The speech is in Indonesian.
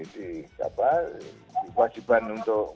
di wajiban untuk